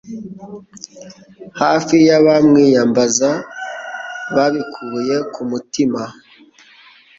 hafi y’abamwiyambaza babikuye ku mutima